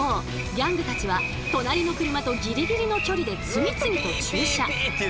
ギャングたちは隣の車とギリギリの距離で次々と駐車。